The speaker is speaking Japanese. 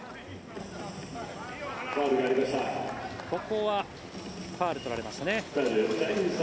ここはファウル取られましたね。